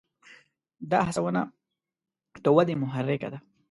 دا هڅونه د ودې محرکه ده.